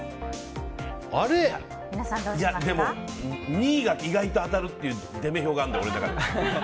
２位が意外と当たるっていう出目表があるんだよ、俺の中で。